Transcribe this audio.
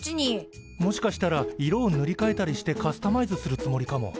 もしかしたら色をぬりかえたりしてカスタマイズするつもりかも。